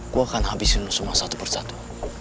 gue akan habisin lu semua satu per satu